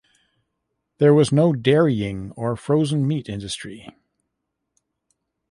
There was no dairying or frozen meat industry.